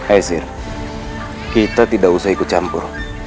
eh sir kita tidak usah ikut campur